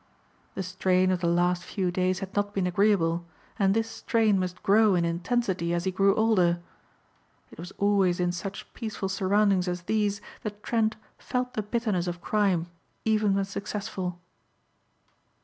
The strain of the last few days had not been agreeable and this strain must grow in intensity as he grew older. It was always in such peaceful surroundings as these that Trent felt the bitterness of crime even when successful.